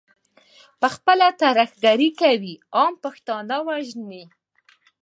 پخپله ترهګري کوي، عام پښتانه وژني.